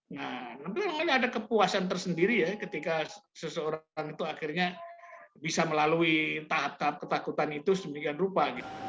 nah memang ada kepuasan tersendiri ya ketika seseorang itu akhirnya bisa melalui tahap tahap ketakutan itu sedemikian rupa gitu